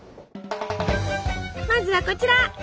まずはこちら。